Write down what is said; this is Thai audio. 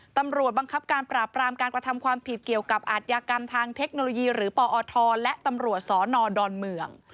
ตำรวจบังคับการปราบรามการกระทำความผิดเกี่ยวกับอาทยากรรมทางเทคโนโลยีหรือปอทและตำรวจสนดอนเมือง